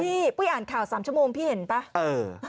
พี่ปุ้ยอ่านข่าว๓ชั่วโมงพี่เห็นป่ะ